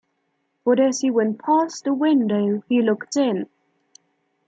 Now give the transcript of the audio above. But as he went past the window he looked in.